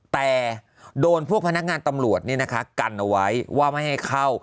แต่โดนพวกพนักงานตำรวจกันเอาไว้ว่าไม่ให้เข้า